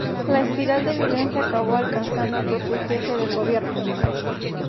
La espiral de violencia acabó alcanzando al propio jefe del gobierno.